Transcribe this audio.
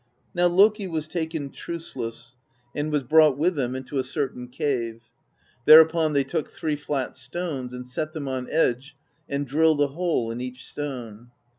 "Now Loki was taken truceless, and was brought with THE BEGUILING OF GYLFI 77 them into a certain cave. Thereupon they took three flat stones, and set them on edge and drilled a hole in each stone.